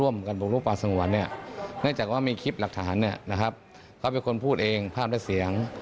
มาเหยียบยำพวกเข้าซำเติม